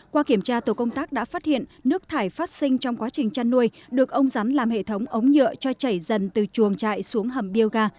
qua kiểm tra tổ công tác đã phát hiện nước thải phát sinh trong quá trình chăn nuôi được ông rắn làm hệ thống ống nhựa cho chảy dần từ chuồng trại xuống hầm bioga